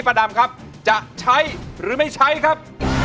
ประดำครับจะใช้หรือไม่ใช้ครับ